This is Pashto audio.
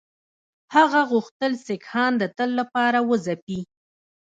هغه غوښتل سیکهان د تل لپاره وځپي.